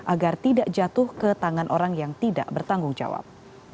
agar tidak jatuh ke tangan orang yang tidak bertanggung jawab